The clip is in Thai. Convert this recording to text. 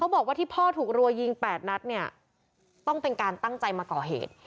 เขาบอกว่าที่พ่อถูกรวยยิงแปดงั้ดต้องเป็นการตั้งใจมาก่อเหตุ